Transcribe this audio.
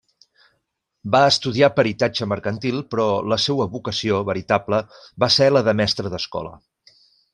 Va estudiar peritatge mercantil però la seua vocació veritable va ser la de mestre d'escola.